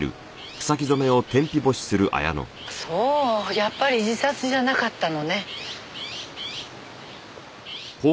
やっぱり自殺じゃなかったのね。